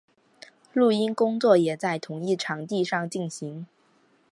录音工作也在同一场地上进行。